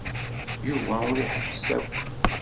Yuba ur iḥebbes akk.